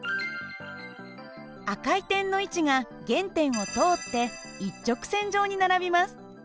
赤い点の位置が原点を通って一直線上に並びます。